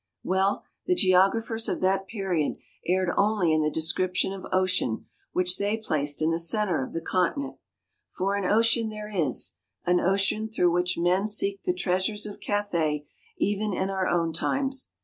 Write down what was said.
Well, the geographers of that period erred only in the description of ocean which they placed in the centre of the continent; for an ocean there is an ocean through which men seek the treasures of Cathay even in our own times.